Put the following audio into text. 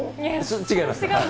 違います。